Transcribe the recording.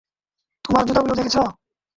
তোমার জুতাগুলো দেখেছ?